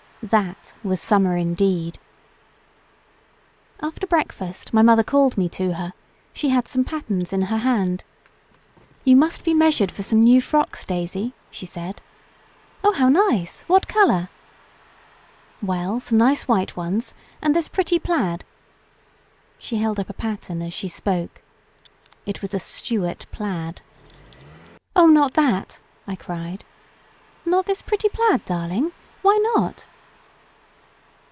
That was summer indeed. After breakfast my mother called me to her she had some patterns in her hand. "You must be measured for some new frocks, Daisy," she said. "Oh, how nice. What colour?" "Well, some nice white ones, and this pretty plaid." She held up a pattern as she spoke. It was a Stuart plaid. "Oh, not that!" I cried. "Not this pretty plaid, darling? Why not?"